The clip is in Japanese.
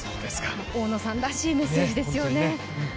大野さんらしいメッセージですよね。